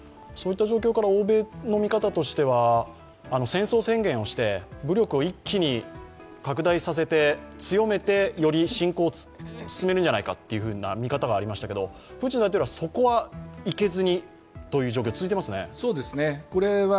欧米の見方としては、戦争宣言をして武力を一気に拡大させて、強めてより侵攻を進めるんじゃないかという見方がありましたけどプーチン大統領はそこは行けずにという状況が続いていますね。